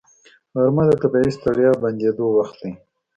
غرمه د طبیعي ستړیا بندېدو وخت دی